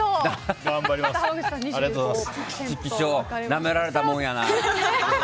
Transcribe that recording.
なめられたもんやな。